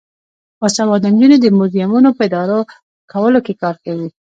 باسواده نجونې د موزیمونو په اداره کولو کې کار کوي.